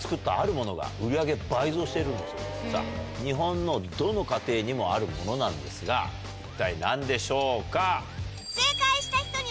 さぁ日本のどの家庭にもあるものなんですが一体何でしょうか？